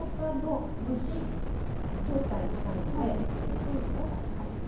あと蒸し状態にしたいので水分を足します。